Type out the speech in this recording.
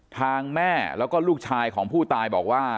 ทางแม่แล้วก็ลูกชายของผู้ตายบอกว่า